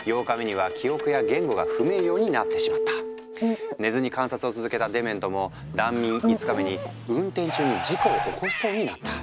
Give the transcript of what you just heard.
すると寝ずに観察を続けたデメントも断眠５日目に運転中に事故を起こしそうになった。